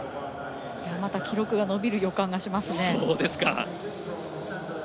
まだ記録が伸びる予感がします。